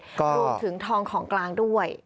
รวมถึงทองของกลางด้วย